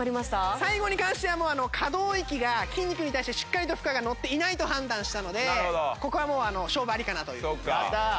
最後に関しては可動域が筋肉に対してしっかりと負荷が乗っていないと判断したのでここはもう勝負ありかなという。